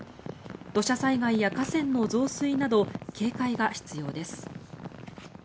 土砂災害や河川の増水など警戒が必要です。